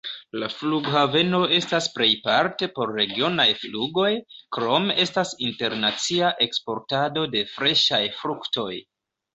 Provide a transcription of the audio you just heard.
La flughaveno estas plejparte por regionaj flugoj, krome estas internacia eksportado de freŝaj fruktoj.